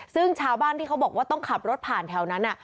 ซึ่งชาวบ้านที่เขาบอกว่าต้องขับรถผ่านแถวนั้น